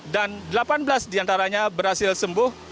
dan delapan belas diantaranya berhasil sembuh